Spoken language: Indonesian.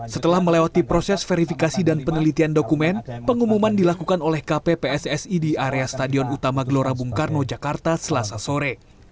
setelah melewati proses verifikasi dan penelitian dokumen pengumuman dilakukan oleh kppssi di area stadion utama gelora bung karno jakarta selasa sore